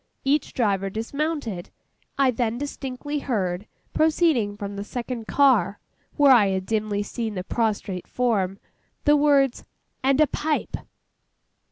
Each driver dismounted. I then distinctly heard, proceeding from the second car, where I had dimly seen the prostrate form, the words: 'And a pipe!